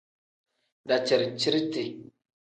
Daciri-ciriti.